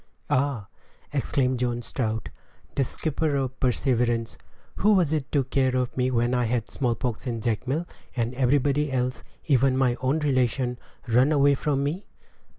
"Ah!" exclaimed John Strout, the skipper of the Perseverance, "who was it took care of me when I had the smallpox in Jacmel, and everybody else, even my own relation, run away from me?"